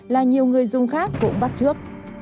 là nhiều người dung khác cũng bắt trước